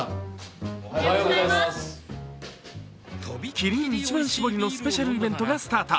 キリン一番搾りのスペシャルイベントがスタート。